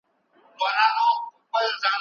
لمونځ د دين ستن ده.